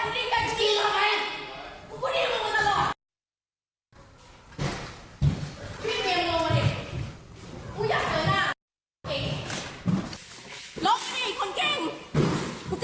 มีใครมีลูกมีลูก